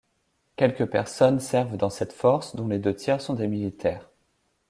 Quelque personnes servent dans cette force, dont les deux tiers sont des militaires.